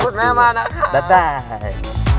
โปรดติดตามตอนต่อไป